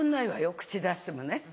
口出してもね。